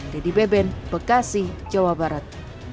dedy beben bekasi jawa barat